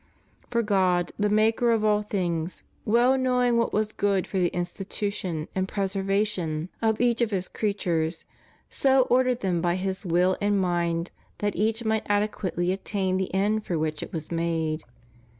For God, the Maker of all things, well know ing what was good for the institution and preservation 72 CHRISTIAN MARRIAGE. of each of His creatures, so ordered them by His will and mind that each might adequately attain the end for which it was made.